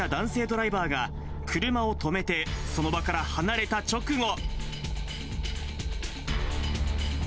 ドライバーが車を止めて、その場から離れた直後。